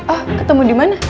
oh ketemu dimana